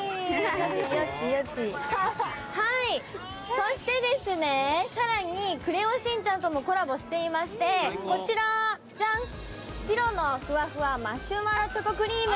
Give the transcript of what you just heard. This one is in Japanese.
そして、更に「クレヨンしんちゃん」ともコラボしてましてシロのふわふわマシュマロチョコクリーム。